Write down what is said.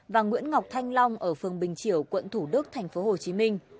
và nguyễn ngọc thanh long ở phường bình chiều quận thủ đức tp hcm